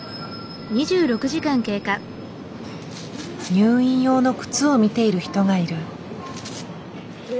入院用の靴を見ている人がいる。